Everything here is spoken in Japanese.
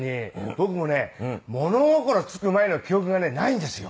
僕もね物心つく前の記憶がねないんですよ。